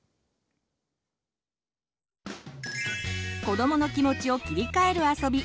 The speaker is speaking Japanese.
子どもの気持ちを切り替えるあそび